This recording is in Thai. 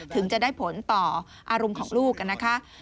ถึงจะได้ผลต่ออารมณ์ของลูกนะคะ